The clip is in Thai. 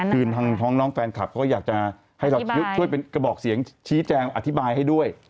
คือทางท้องน้องแฟนคลับเขาก็อยากจะให้เราช่วยเป็นกระบอกเสียงชี้แจงอธิบายให้ด้วย